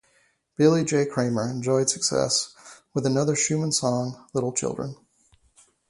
Billy J. Kramer enjoyed success with another Shuman song, "Little Children".